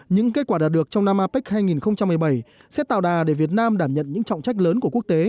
những kết quả đạt được trong năm apec hai nghìn một mươi bảy sẽ tạo đà để việt nam đảm nhận những trọng trách lớn của quốc tế